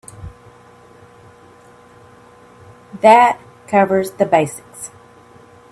That covers the basics.